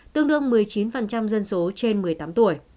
tương đương một mươi chín dân số trên một mươi tám tuổi